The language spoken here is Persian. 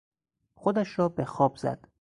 خودش را به خواب زد.